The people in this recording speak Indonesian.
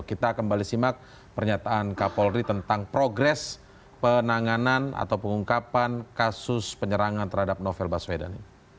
kita kembali simak pernyataan kapolri tentang progres penanganan atau pengungkapan kasus penyerangan terhadap novel baswedan